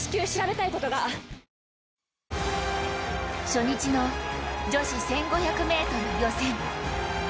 初日の女子１５００ｍ予選。